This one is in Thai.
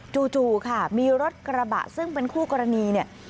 จู่ค่ะมีรถกระบะซึ่งเป็นคู่กรณีเนี่ย